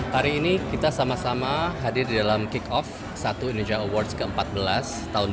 hari ini kita sama sama hadir di dalam kick off satu indonesia awards ke empat belas tahun dua ribu dua puluh